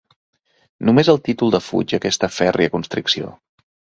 Només el títol defuig aquesta fèrria constricció.